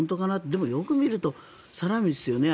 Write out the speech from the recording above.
でもよく見るとサラミですよね。